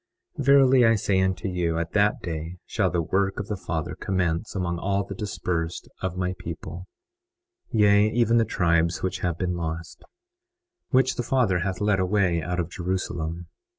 Verily I say unto you, at that day shall the work of the Father commence among all the dispersed of my people, yea, even the tribes which have been lost, which the Father hath led away out of Jerusalem.